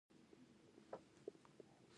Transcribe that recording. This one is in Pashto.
د الکسندریه ښارونه یې جوړ کړل